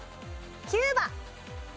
キューバ。